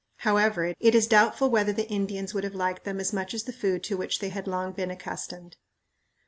However, it is doubtful whether the Indians would have liked them as much as the food to which they had long been accustomed.